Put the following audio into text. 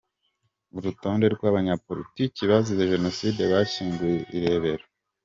Urutonde rw’abanyapolitiki bazize Jenoside bashyinguye i Rebero.